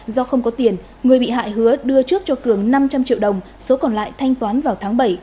do không có tiền người bị hại hứa đưa trước cho cường năm trăm linh triệu đồng số còn lại thanh toán vào tháng bảy